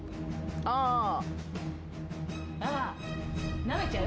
ああなめちゃう？